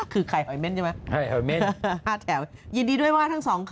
คือไข่หอยเม้นใช่ไหมห้าแถวยินดีด้วยมากทั้งสองคน